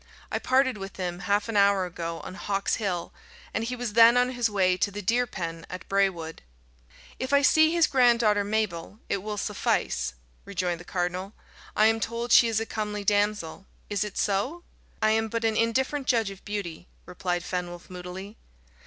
I parted with him, half an hour ago, on Hawk's Hill, and he was then on his way to the deer pen at Bray Wood." "If I see his granddaughter Mabel, it will suffice," rejoined the cardinal. "I am told she is a comely damsel. Is it so?" "I am but an indifferent judge of beauty," replied Fenwolf moodily.